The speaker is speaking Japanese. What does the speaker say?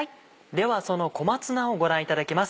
ではその小松菜をご覧いただきます。